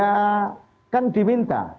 ya kan diminta